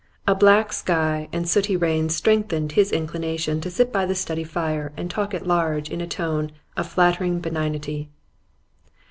A black sky and sooty rain strengthened his inclination to sit by the study fire and talk at large in a tone of flattering benignity.